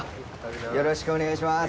よろしくお願いします。